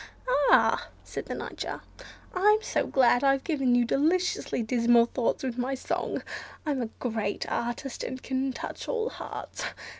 "Ah!" said the Nightjar, "I'm so glad I've given you deliciously dismal thoughts with my song! I'm a great artist, and can touch all hearts.